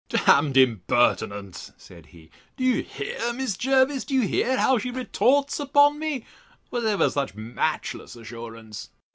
—D——d impertinence! said he; Do you hear, Mrs. Jervis, do you hear, how she retorts upon me? Was ever such matchless assurance!